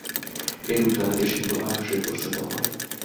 এরূপ দানে দেশে কেবল আলস্যের প্রশ্রয় দেওয়া হয়।